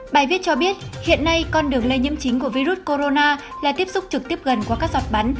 bài viết cho biết hiện nay con đường lây nhiễm chính của virus corona là tiếp xúc trực tiếp gần qua các giọt bắn